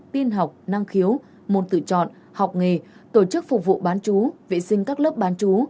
tin học năng khiếu môn tự chọn học nghề tổ chức phục vụ bán chú vệ sinh các lớp bán chú